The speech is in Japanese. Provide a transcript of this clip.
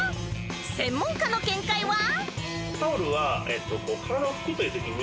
［専門家の見解は］